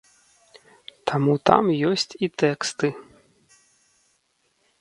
Таму там ёсць і тэксты.